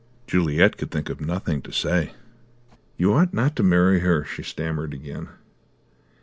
Juliet could think of nothing to say. "You ought not to marry her," she stammered again.